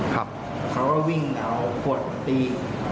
เขาก็วิ่งเอาขวดตี